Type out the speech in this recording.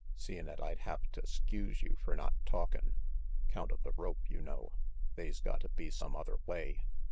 Seein' 'at I'd have to 'skuse you fer not talkin', 'count of the rope, you know, they's gotta be some other way.